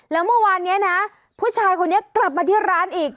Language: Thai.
แล้วเมื่อวานนี้นะผู้ชายคนนี้กลับมาที่ร้านอีก